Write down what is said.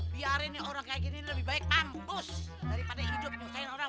biarin nih orang kayak gini lebih baik mampus daripada hidup nyusain orang